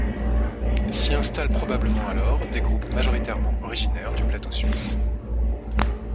S'y installent probablement alors des groupes majoritairement originaires du plateau suisse.